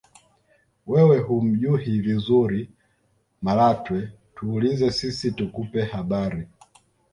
wewe humjuhi vizuri malatwe tuulize sisi tukupe habari